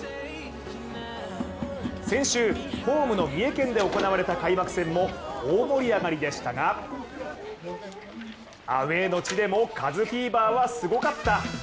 先週、ホームの三重県で行われた開幕戦も大盛り上がりでしたがアウェーの地でもカズフィーバーはすごかった。